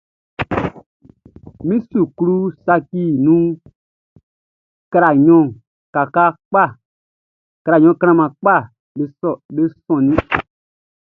Min suklu saciʼn nunʼn, crayon klanman kpaʼm be sɔnnin.